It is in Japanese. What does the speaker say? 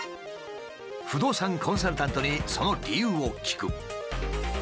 不動産コンサルタントにその理由を聞く。